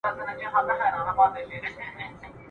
زما د تورو پستو غوښو د خوړلو !.